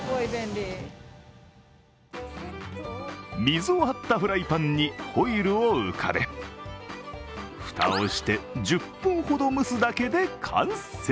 水を張ったフライパンにホイルを浮かべ、蓋をして１０分ほど蒸すだけで完成。